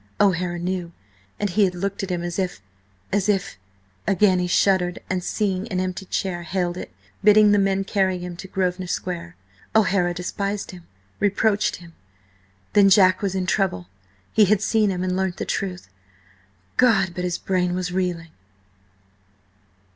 O'Hara knew, and he had looked at him as if–as if–again he shuddered, and seeing an empty chair, hailed it, bidding the men carry him to Grosvenor Square. ... O'Hara despised him!–reproached him! Then Jack was in trouble? He had seen him and learnt the truth? God, but his brain was reeling!